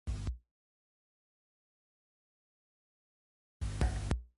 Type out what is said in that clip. Allà hi ha la imatge del crist crucificat.